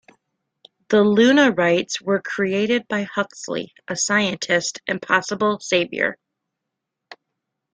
The Lunarites were created by Huxley, a scientist and possible saviour.